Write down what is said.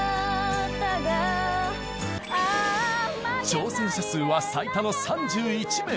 挑戦者数は最多の３１名。